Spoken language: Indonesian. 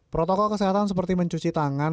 protokol kesehatan seperti mencuci tangan